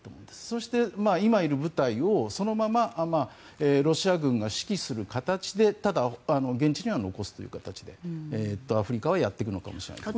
そして、今いる部隊をそのままロシア軍が指揮する形でただ、現地には残すという形でアフリカはやっていくのかもしれないですね。